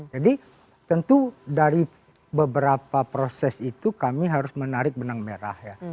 jadi tentu dari beberapa proses itu kami harus menarik benang benang